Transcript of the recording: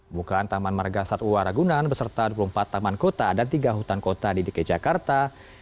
bukaan taman marga satwa ragunan beserta dua puluh empat taman kota dan tiga hutan kota di dki jakarta